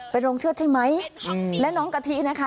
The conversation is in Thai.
เป็นโรงเชือดใช่ไหมและน้องกะทินะคะ